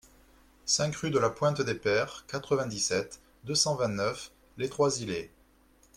cinq rue de la Pointe des Pères, quatre-vingt-dix-sept, deux cent vingt-neuf, Les Trois-Îlets